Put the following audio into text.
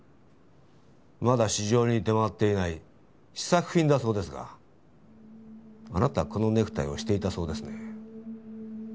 まだ市場に出回っていない試作品だそうですがあなたこのネクタイをしていたそうですね。